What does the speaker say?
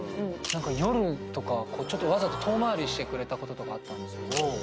夜とかわざと遠回りしてくれたこととかあったんですけど。